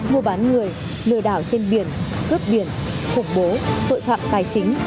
mua bán người lừa đảo trên biển cướp biển khủng bố tội phạm tài chính